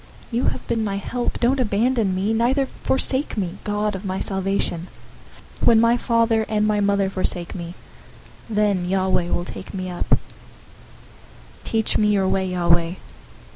You have been my help. Don't abandon me, neither forsake me, God of my salvation. 027:010 When my father and my mother forsake me, then Yahweh will take me up. 027:011 Teach me your way, Yahweh.